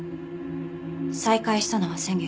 再会したのは先月。